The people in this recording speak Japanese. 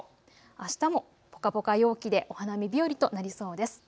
あしたもぽかぽか陽気でお花見日和となりそうです。